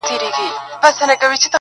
خو ذهن نه هېرېږي هېڅکله تل،